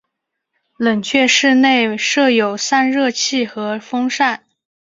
冷却室内设有散热器和风扇。